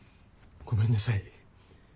ごめんなさい。